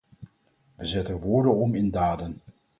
We zetten woorden om in daden.